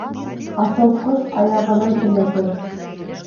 Аҫыл ҡош аяғынан эләгер.